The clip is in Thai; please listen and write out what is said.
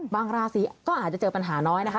ราศีก็อาจจะเจอปัญหาน้อยนะคะ